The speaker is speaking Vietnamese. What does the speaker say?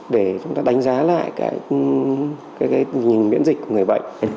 để chúng ta đánh giá lại cái nhìn miễn dịch của người bệnh